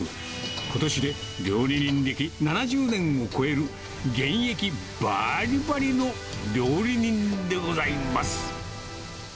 ことしで料理人歴７０年を超える現役ばりばりの料理人でございます。